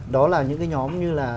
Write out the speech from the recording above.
đó là những cái nhóm như là